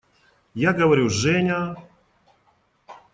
Я говорю: «Женя…»